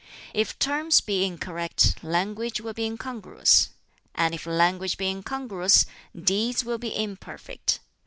If terms be incorrect, language will be incongruous; and if language be incongruous, deeds will be imperfect.